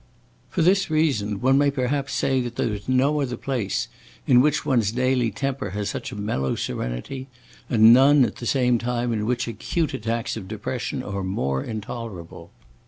For this reason one may perhaps say that there is no other place in which one's daily temper has such a mellow serenity, and none, at the same time, in which acute attacks of depression are more intolerable.